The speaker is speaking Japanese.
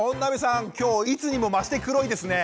今日いつにもまして黒いですね。